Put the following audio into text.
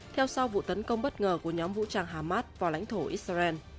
theo sau vụ tấn công bất ngờ của nhóm vũ trang hamas vào lãnh thổ israel